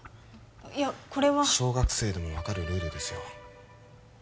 いやこれは小学生でも分かるルールですよ